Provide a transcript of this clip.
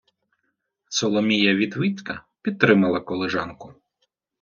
Соломія Вітвіцька підтримала колежанку.